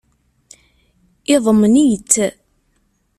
Yeḍmen-itt.